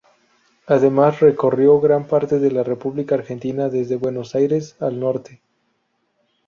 Además recorrió gran parte de la República Argentina, desde Buenos Aires al norte.